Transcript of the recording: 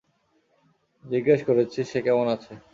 জিজ্ঞেস করেছি, সে কেমন আছে?